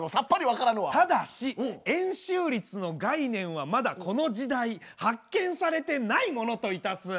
ただし円周率の概念はまだこの時代発見されてないものといたす。